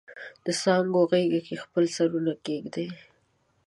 دڅانګو غیږ کې خپل سرونه کښیږدي